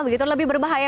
begitu lebih berbahaya